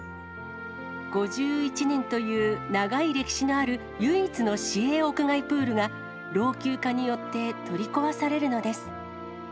５１年という長い歴史のある唯一の市営屋外プールが、老朽化によって取り壊されるのです。